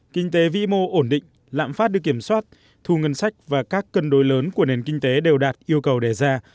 kinh tế vĩ mô ổn định lạm phát được kiểm soát thu ngân sách và các cân đối lớn của nền kinh tế đều đạt yêu cầu đề ra